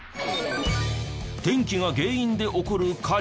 電気が原因で起こる火事。